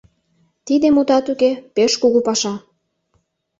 — Тиде, мутат уке, пеш кугу паша.